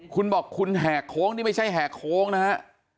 คุณบอกคุณแหกโค้งนี่ไม่ใช่แหกโค้งนะฮะ